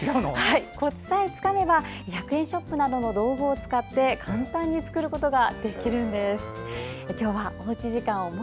コツさえつかめば１００円ショップなどの道具を使って簡単に作ることができるんです。